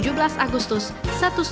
jadi kaki yang bagus kaki yang bagus